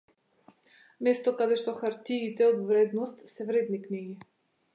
Место каде што хартиите од вредност се вредни книги.